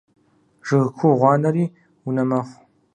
Жыг ку гъуанэри унэ мэхъу.